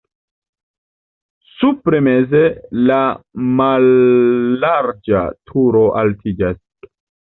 Supre meze la mallarĝa turo altiĝas.